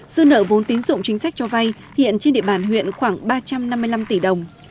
dư nợ vốn tín dụng chính sách cho vay hiện trên địa bàn huyện khoảng ba trăm năm mươi năm tỷ đồng